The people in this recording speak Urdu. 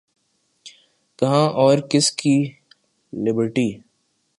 کہاں اور کس کی لبرٹی؟